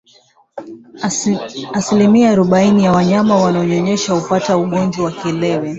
Asilimia arobaini ya wanyama wanaonyonyesha hupata ugonjwa wa kiwele